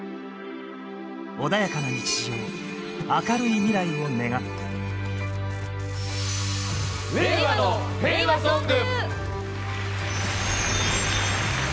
穏やかな日常明るい未来を願って「れいわのへいわソング」！